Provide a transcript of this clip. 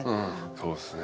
そうですね。